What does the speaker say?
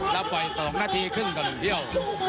เราปล่อย๒นาทีครึ่งตัวหนึ่งเที่ยว